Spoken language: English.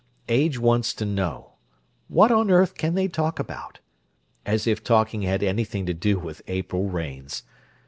Age wants to know: "What on earth can they talk about?" as if talking had anything to do with April rains!